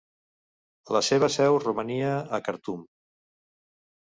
La seva seu romania a Khartum.